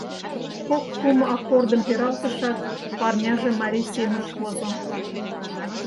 Кок-кум аккордым пералтышат, парняже марий семыш возо.